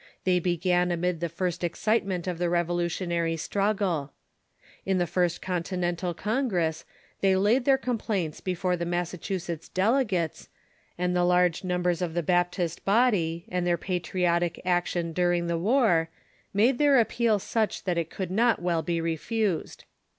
They began amid the first excitement of the Revolu tionary struggle. In the First Continental Congress they laid THE SEPARATIOX OF CHURCH AND STATE 499 their complaints before the Massachusetts delegates, and the large numbers of the Baptist body, and their patriotic action during the war, made their appeal such that it could not well be refused.